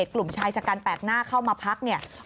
กลุ่มชายชะกันแปลกหน้าเข้ามาพักเนี่ย